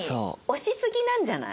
押しすぎなんじゃない？